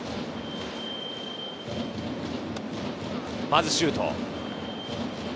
まずシュート。